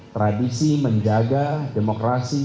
tradisi menjaga demokrasi